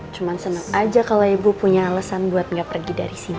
cuma seneng aja kalau ibu punya alesan buat gak pergi dari sini